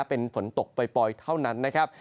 เป็นฝนตกปล่อยเท่านั้นนะครับ